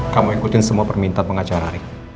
kamu ikutin semua permintaan pengacara